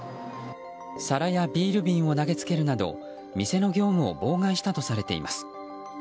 皿やビール瓶を投げつけるなど店の業務を妨害したとされています。